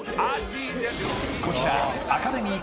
［こちら］